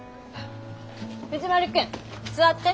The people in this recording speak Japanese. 藤丸君座って。